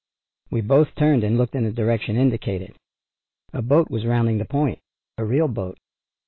We both turned and looked in the direction indicated. A boat was rounding the point; a real boat.